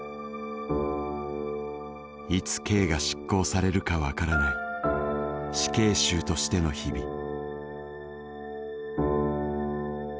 いつ刑が執行されるかわからない死刑囚としての日々。